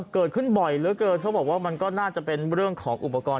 เกิดขึ้นบ่อยเหลือเกินเขาบอกว่ามันก็น่าจะเป็นเรื่องของอุปกรณ์